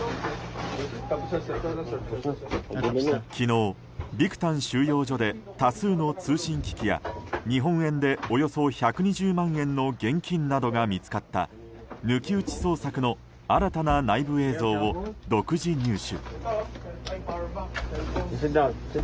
昨日、ビクタン収容所で多数の通信機器や日本円でおよそ１２０万円の現金などが見つかった抜き打ち捜索の新たな内部映像を独自入手。